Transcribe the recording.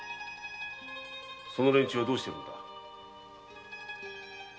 その連中はどうしているんだ？